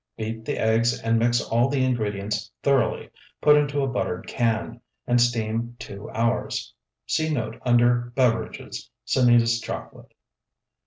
Beat the eggs and mix all the ingredients thoroughly. Put into a buttered can, and steam two hours. See note under "Beverages, Sanitas Chocolate."